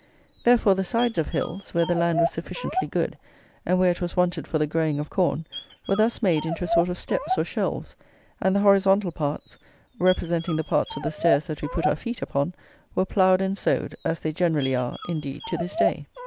Therefore the sides of hills, where the land was sufficiently good, and where it was wanted for the growing of corn, were thus made into a sort of steps or shelves, and the horizontal parts (representing the parts of the stairs that we put our feet upon) were ploughed and sowed, as they generally are, indeed, to this day.